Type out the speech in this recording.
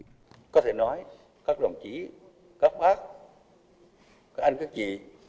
có thể nói các đồng chí các bác các anh các chị